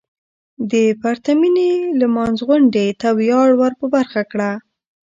د پرتمينې لمانځغونډې ته وياړ ور په برخه کړه .